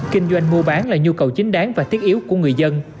kinh doanh mua bán là nhu cầu chính đáng và thiết yếu của người dân